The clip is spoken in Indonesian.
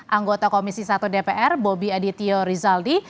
anggota komisi satu dpr bobi adityo rizaldi